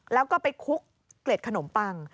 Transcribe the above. แล้วก็ไปคุกเกล็ดขนมปัง